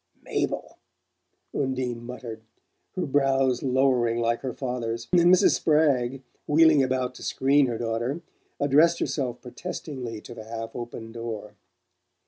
"Mabel!" Undine muttered, her brows lowering like her father's; and Mrs. Spragg, wheeling about to screen her daughter, addressed herself protestingly to the half open door.